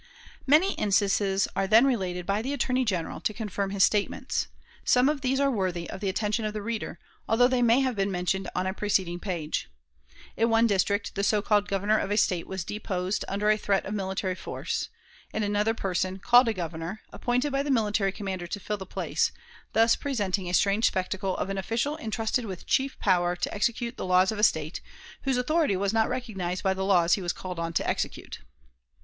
Many instances are then related by the Attorney General to confirm his statements. Some of these are worthy of the attention of the reader, although they may have been mentioned on a preceding page. In one district the so called Governor of a State was deposed under a threat of military force, and another person, called a Governor, appointed by the military commander to fill the place thus presenting the strange spectacle of an official intrusted with chief power to execute the laws of a State, whose authority was not recognized by the laws he was called on to execute.